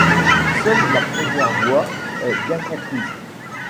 Seule la première voie est bien comprise.